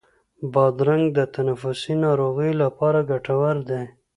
بادرنګ د تنفسي ناروغیو لپاره ګټور دی.